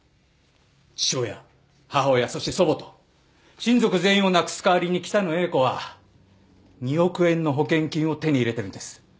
父親母親そして祖母と親族全員を亡くす代わりに北野英子は２億円の保険金を手に入れてるんです。